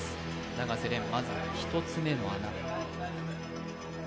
永瀬廉、まず１つ目の穴。